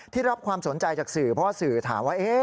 รับความสนใจจากสื่อเพราะว่าสื่อถามว่า